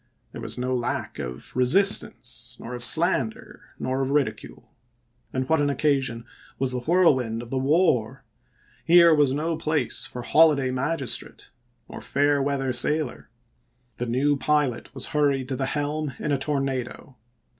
There was no lack of resistance, nor of slander, nor of ridicule. ... Then what an occasion was the whirlwind of the war! Here was no place for holiday magistrate, nor fair weather sailor ; the new pilot was hurried to the helm in a tornado.